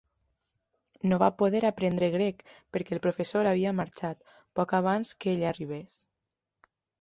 No va poder aprendre grec, perquè el professor havia marxat, poc abans que ell arribés.